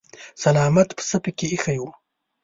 سلامت پسه پکې ايښی و.